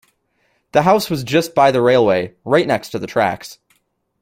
The house was just by the railway, right next to the tracks